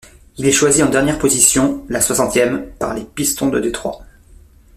Il est choisi en dernière position, la soixantième, par les Pistons de Détroit.